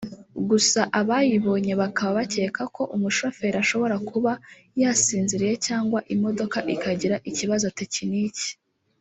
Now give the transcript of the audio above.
gusa abayibonye bakaba bakeka ko umushoferi ashobora kuba yasinziriye cyangwa imodoka ikagira ikibazo tekiniki